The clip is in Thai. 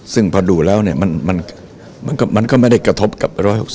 ซึ่งพอดูแล้วเนี่ยมันก็ไม่ได้กระทบกับ๑๖๐